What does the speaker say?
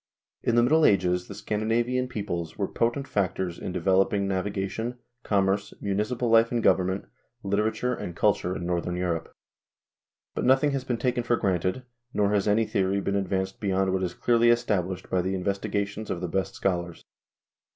In the Middle Ages the Scandinavian peoples were potent factors in developing navigation, commerce, municipal life and government, literature and culture in northern Europe. But nothing has been taken for granted, nor has any theory been advanced beyond what is clearly established by the investigations of the best schol ars.